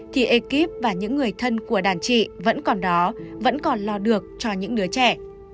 thì ekip và những người thân của đàn trị vẫn còn đó vẫn còn lo được cho những đứa trẻ